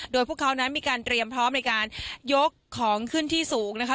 โดยพวกเขานั้นมีการเตรียมพร้อมในการยกของขึ้นที่สูงนะคะ